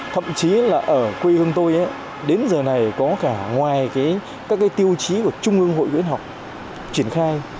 thậm chí là ở quê hương tôi đến giờ này có cả ngoài các cái tiêu chí của trung ương hội khuyến học triển khai